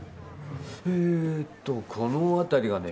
えーとこの辺りがね